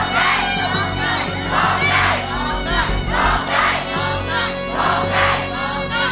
โทคน่ายโทคน่ายโทคน่ายโทคน่าย